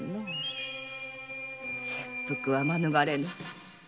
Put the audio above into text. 切腹は免れぬ。